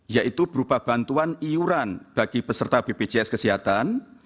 yaitu berupa bantuan iuran bagi peserta bpjs kesehatan